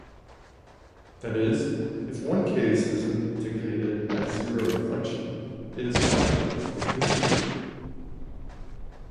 That is, if one case is indicated by zero-inflection, it is often the patientive.